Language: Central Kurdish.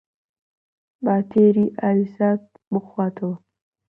با تێر ئاوی سارد بخواتەوە